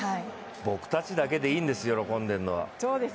僕たちだけでいいんです喜んでるのは。